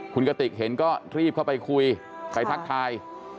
คุณกติกเห็นก็รีบเข้าไปคุยไปทักทาย